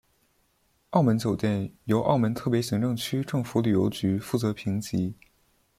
澳门酒店由澳门特别行政区政府旅游局负责评级。